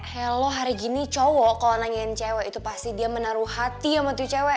halo hari gini cowok kalau nanyain cewek itu pasti dia menaruh hati sama tuh cewek